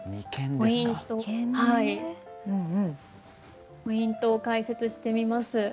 ポイントを解説してみます。